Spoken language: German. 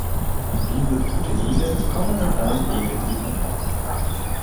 Diese Proteine kommen in allen Lebewesen vor.